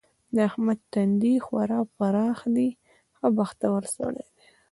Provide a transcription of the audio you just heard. د احمد تندی خورا پراخ دی؛ ښه بختور سړی دی.